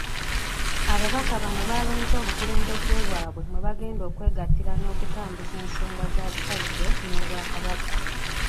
Ababaka bano baalonze obukulembeze bwabwe mwe bagenda okwegattira n'okutambuza ensonga za Kyaggwe n'Obwakabaka.